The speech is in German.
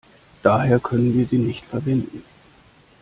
Daher können wir sie nicht verwenden.